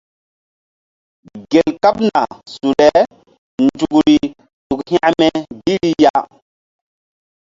Gel kaɓna su le nzukri ɗuk hȩkme gi ri ya.